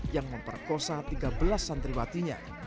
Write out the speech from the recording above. yang memperkosa tiga belas santri batinya